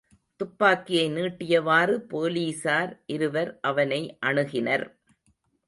துப்பாக்கியை நீட்டியவாறு போலீஸார் இருவர் அவனை அணுகினர்.